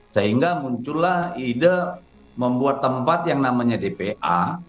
sehingga muncullah ide membuat tempat yang namanya dpa